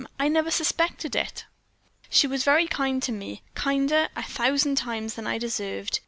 I never suspected it.' "She was very kind to me kinder, a thousand times, than I deserved.